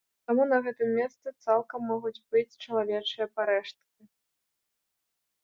Таму на гэтым месцы цалкам могуць быць чалавечыя парэшткі.